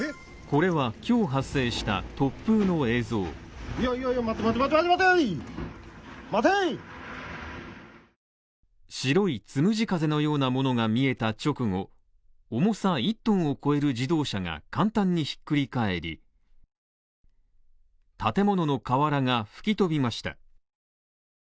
これは今日発生した突風の映像白いつむじ風のようなものが見えた直後、重さは１ｔを超える自動車が簡単にひっくり返り、建物の瓦が吹き飛びました。